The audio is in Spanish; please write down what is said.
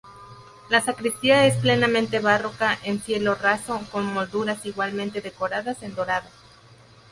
La sacristía es plenamente barroca en cielo raso con molduras igualmente decoradas en dorado.